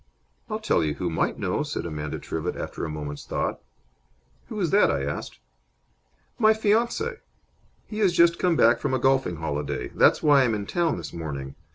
"I'll tell you who might know," said Amanda Trivett, after a moment's thought. "Who is that?" I asked. "My fiance. He has just come back from a golfing holiday. That's why I'm in town this morning.